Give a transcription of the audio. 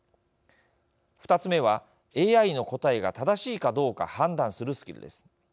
２つ目はＡＩの答えが正しいかどうか判断するスキルです。